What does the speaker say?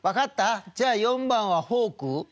「じゃあ４番はフォーク？」。